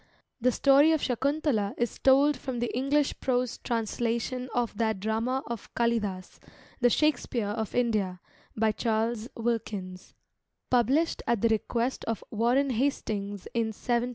The story of Sakuntala is told from the English prose translation of that drama of Kalidasa, the "Shakespeare of India," by Charles Wilkins, published at the request of Warren Hastings in 1785. R.